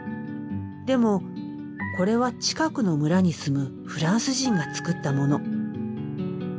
でもこれは近くの村に住むフランス人が作ったモノ。